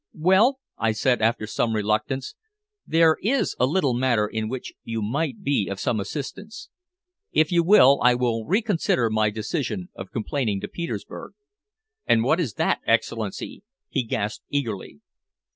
"Well," I said after some reluctance, "there is a little matter in which you might be of some assistance. If you will, I will reconsider my decision of complaining to Petersburg." "And what is that, Excellency?" he gasped eagerly.